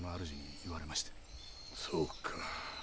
そうか。